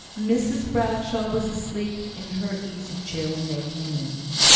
Mrs Bradshaw was asleep in her easy chair when they came in.